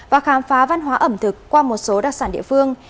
và khám phá văn hóa ẩm thực qua một số đặc sản địa phương